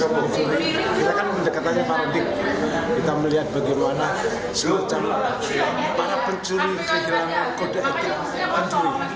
kita kan mendekatkan paradigma kita melihat bagaimana semua cara para pencuri kehilangan kode etik pencuri